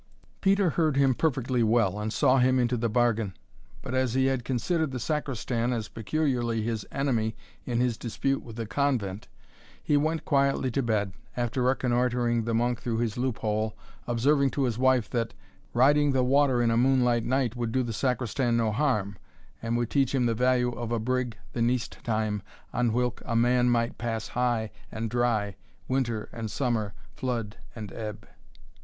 Peter heard him perfectly well, and saw him into the bargain; but as he had considered the Sacristan as peculiarly his enemy in his dispute with the convent, he went quietly to bed, after reconnoitring the monk through his loop hole, observing to his wife, that "riding the water in a moonlight night would do the Sacristan no harm, and would teach him the value of a brig the neist time, on whilk a man might pass high and dry, winter and summer, flood and ebb."